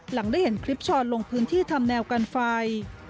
หลังได้เห็นคลิปช้อนลงพื้นที่ทำแนวกันไฟ